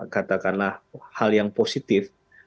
katakanlah hal yang positif